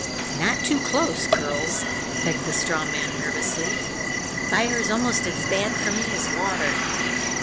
"Not too close, girls," begged the Straw Man nervously. "Fire's almost as bad for me as water.